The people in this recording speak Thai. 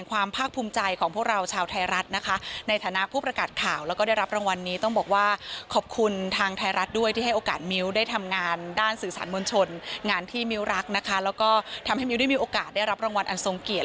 งานที่มิ้วรักนะคะแล้วก็ทำให้มิ้วได้มีโอกาสได้รับรางวัลอันทรงเกียจ